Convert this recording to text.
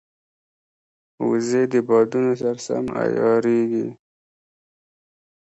وزې د بادونو سره هم عیارېږي